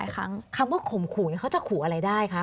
คำว่าข่มขู่เขาจะขู่อะไรได้คะ